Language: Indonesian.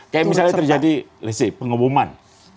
kayak misalnya terjadi let's say pengebuman